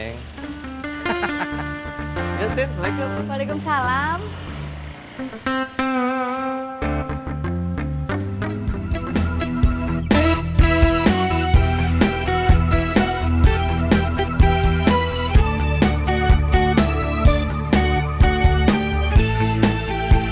ngobrol juga batal ceng